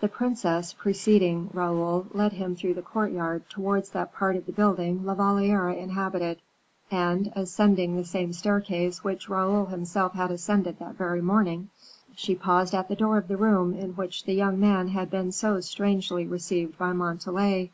The princess, preceding Raoul, led him through the courtyard towards that part of the building La Valliere inhabited, and, ascending the same staircase which Raoul himself had ascended that very morning, she paused at the door of the room in which the young man had been so strangely received by Montalais.